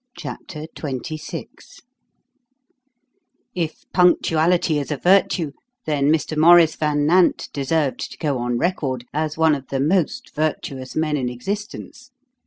CHAPTER XXVI If punctuality is a virtue, then Mr. Maurice Van Nant deserved to go on record as one of the most virtuous men in existence.